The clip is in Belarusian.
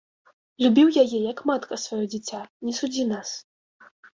Любіў яе, як матка сваё дзіця, не судзі нас.